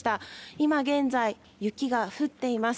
今現在、雪が降っています。